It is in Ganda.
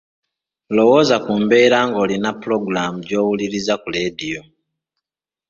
Lowooza ku mbeera ng’olina ppulogulaamu gy’owuliriza ku laadiyo.